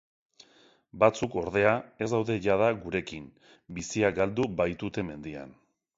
Batzuk, ordea, ez daude jada gurekin, bizia galdu baitute mendian.